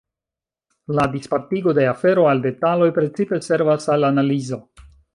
La dispartigo de afero al detaloj precipe servas al analizo.